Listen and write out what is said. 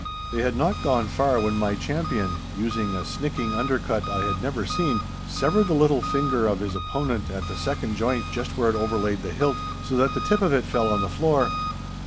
They had not gone far when my champion, using a snicking undercut I had never seen, severed the little finger of his opponent, at the second joint just where it overlaid the hilt, so that the tip of it fell on the floor.